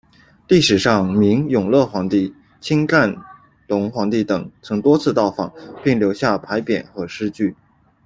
历史上明永乐皇帝、清干隆皇帝等曾经多次到访，并留下牌匾和诗句。